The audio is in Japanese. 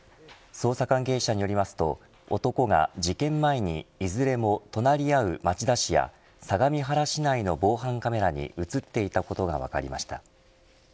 捜査関係者によりますと男が事件前にいずれも隣り合う町田市や相模原市内の防犯カメラに映っていたことが分かりました。